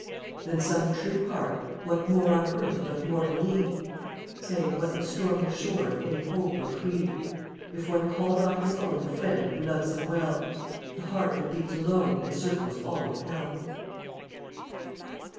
28 Than some true heart — what more On earth doth mortal need? Say, what the stormless shore Of any hope or creed, If one call not his own A friend who loves him well? The heart that beats alone Encircles all of hell.